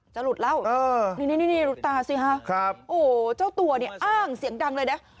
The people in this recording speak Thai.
จะหลุดแล้วนี่หลุดตาสิค่ะโอ้โธ่ตัวนี่อ้างเสียงดังเลยนะ